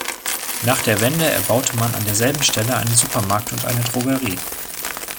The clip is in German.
Nach der Wende erbaute man an derselben Stelle einen Supermarkt und eine Drogerie.